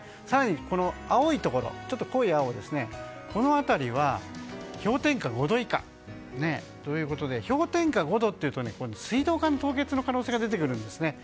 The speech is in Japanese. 更に、ちょっと濃い青この辺りは氷点下５度以下ということで氷点下５度というと水道管の凍結の可能性が出てくるんですね。